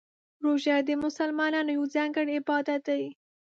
روژه د مسلمانانو یو ځانګړی عبادت دی.